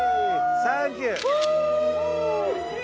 サンキュー！